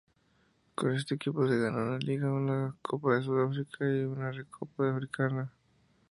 Con este equipo gana una Liga, una Copa de Sudáfrica y una Recopa Africana.